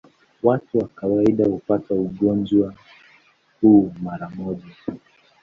Watu kwa kawaida hupata ugonjwa huu mara moja tu.